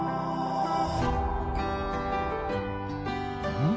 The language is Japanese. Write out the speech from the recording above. うん？